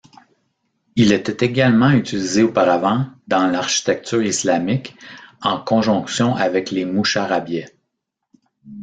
Il était également utilisé auparavant dans l'architecture islamique, en conjonction avec les moucharabiehs.